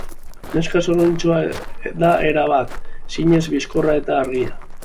Neska zoriontsua da erabat, zinez bizkorra eta argia.